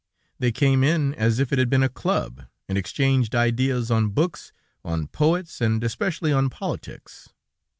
They came in, as if it had been a club, and exchanged ideas on books, on poets, and especially on politics.